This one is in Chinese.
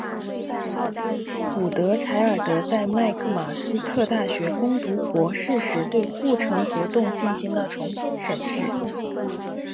古德柴尔德在麦克马斯特大学攻读博士时对护城洞进行了重新审视。